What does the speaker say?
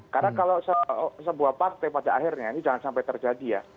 karena kalau sebuah partai pada akhirnya ini jangan sampai terjadi ya